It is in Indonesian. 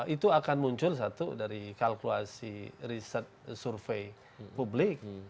itu akan muncul satu dari kalkulasi riset survei publik